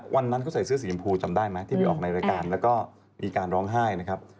วันนั้นเขาใส่เสื้อสีชมพูจำได้ไหมที่ไปออกในรายการแล้วก็มีการร้องไห้นะครับ